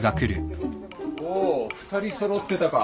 おお２人揃ってたか。